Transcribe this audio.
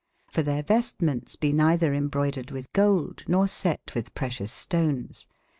f or tbeireves timentes be neitber embraudered witb gold, nor set witb precious stones.